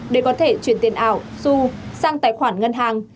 để có thể chuyển tiền ảo su sang tài khoản ngân hàng